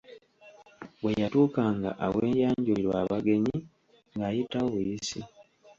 Bwe yatuukanga aweeyanjulirwa abagenyi, ng'ayitawo buyisi.